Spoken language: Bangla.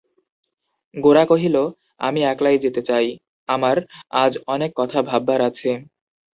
গোরা কহিল, আমি একলাই যেতে চাই, আমার আজ অনেক কথা ভাববার আছে।